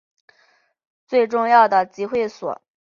最主要的集会所